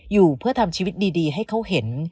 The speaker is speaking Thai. อยู่เพื่อทำชีวิตดีให้เขาเห็น